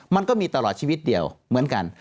มันก็มีตลอดชีวิตเดียวเหมือนกัน